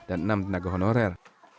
dan enam tenaga honorer